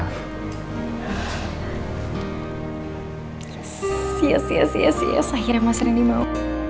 sias sias sias sias akhirnya mas randy mau